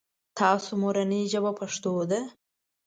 تاسو مورنۍ ژبه پښتو ده ؟